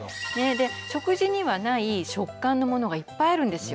食事にはない食感のものがいっぱいあるんですよ。